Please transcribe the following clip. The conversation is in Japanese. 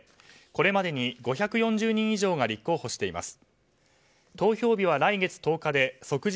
これまでに５４０人以上が立候補しています。